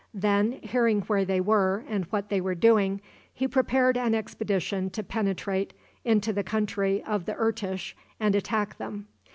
Then, hearing where they were and what they were doing, he prepared an expedition to penetrate into the country of the Irtish and attack them.